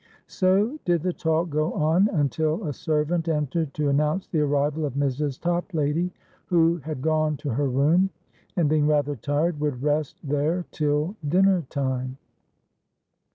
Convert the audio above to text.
So did the talk go on, until a servant entered to announce the arrival of Mrs. Toplady, who had gone to her room, and, being rather tired, would rest there till dinner time.